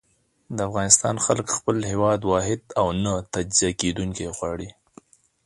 د افغانستان خلک خپل هېواد واحد او نه تجزيه کېدونکی غواړي.